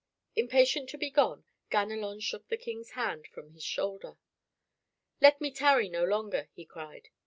Impatient to be gone, Ganelon shook the King's hand from his shoulder. "Let me tarry no longer," he cried.